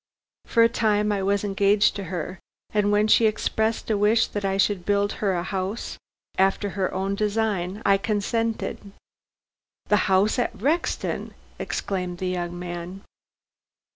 For a time I was engaged to her, and when she expressed a wish that I should build her a house after her own design, I consented." "The house at Rexton!" exclaimed the young man.